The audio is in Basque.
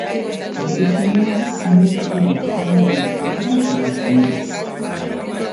Bere semea ume txiki bat izango balitz bezala tratatzen du.